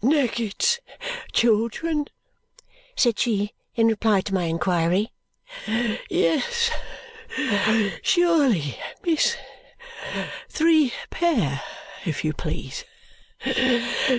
"Neckett's children?" said she in reply to my inquiry. "Yes, Surely, miss. Three pair, if you please.